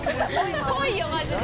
っぽいよマジで。